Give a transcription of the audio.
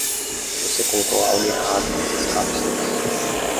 Você colocou algo errado nessas cápsulas.